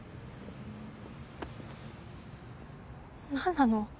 何なの？